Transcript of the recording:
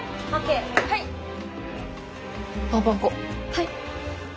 はい。